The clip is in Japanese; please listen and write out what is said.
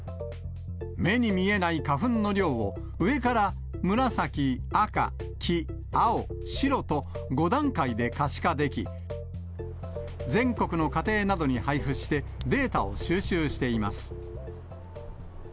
目に見えない花粉の量を、上から、紫、赤、黄、青、白と、５段階で可視化でき、全国の家庭などに配布して、データを収集しています。